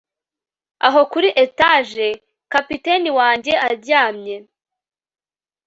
aho kuri etage kapiteni wanjye aryamye